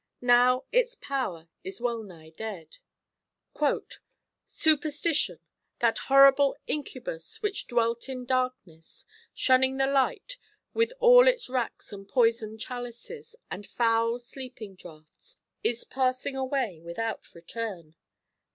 Now its power is well nigh dead. "Superstition! that horrible incubus which dwelt in darkness, shunning the light, with all its racks and poison chalices, and foul sleeping draughts, is passing away without return."